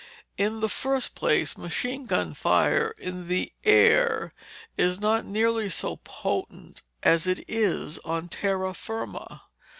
In the first place, machine gun fire in the air is not nearly so potent as it is on terra firma.